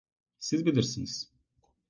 Siz bilirsiniz!